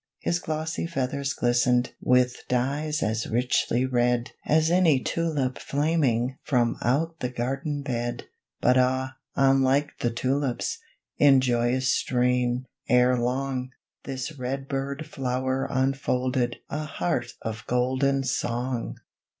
His glossy feathers glistened With dyes as richly red As any tulip flaming From out the garden bed. But ah, unlike the tulips, In joyous strain, ere long, This red bird flower unfolded A heart of golden song!